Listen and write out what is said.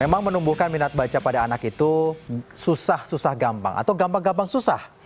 memang menumbuhkan minat baca pada anak itu susah susah gampang atau gampang gampang susah